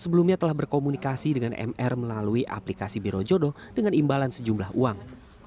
sebelumnya telah berkomunikasi dengan mr melalui aplikasi biro jodoh dengan imbalan sejumlah uang